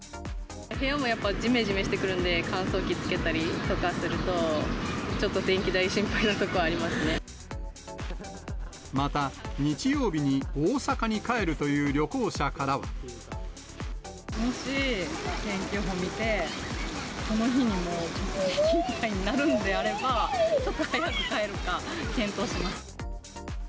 部屋もやっぱじめじめしてくるんで、乾燥機つけたりとかすると、ちょっと電気代、また、日曜日に大阪に帰るともし天気予報見て、その日にもう直撃みたいになるんであれば、ちょっと早く帰るか検討します。